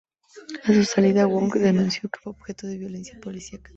A su salida, Wong denunció que fue objeto de violencia policiaca.